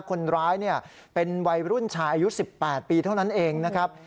คนร้ายเป็นวัยรุ่นชายอายุ๑๘ปีเท่านั้นเองนะครับ